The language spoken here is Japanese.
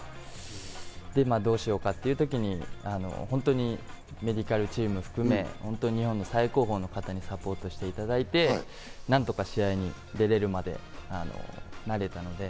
で、どうしようかという時に本当にメディカルチーム含め、日本の最高峰の方にサポートしていただいて、何とか試合に出られるまでになれたので。